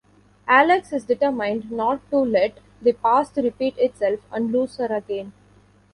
Alex is determined not to let the past repeat itself and lose her again.